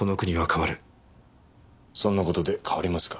そんな事で変わりますか？